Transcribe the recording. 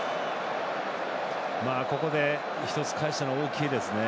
ここで１つ返したのは大きいですね。